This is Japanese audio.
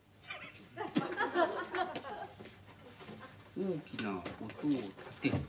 「大きな音を立てて爆発」